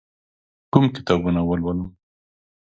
کوم کتابونه ولولم؟